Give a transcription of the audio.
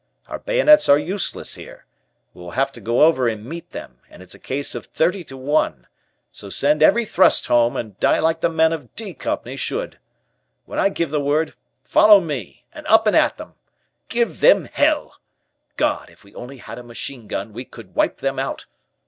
Our bayonets are useless here. We will have to go over and meet them, and it's a case of thirty to one, so send every thrust home, and die like the men of 'D' Company should. When I give the word, follow me, and up and at them. Give them hell! God, if we only had a machine gun, we could wipe them out!